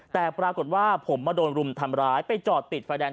แต่ปรากฏว่าผมมาโดนรุมทำร้ายไปจอดติดไฟแดง